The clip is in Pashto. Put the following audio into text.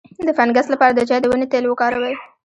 د فنګس لپاره د چای د ونې تېل وکاروئ